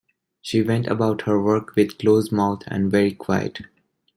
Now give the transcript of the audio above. She went about her work with closed mouth and very quiet.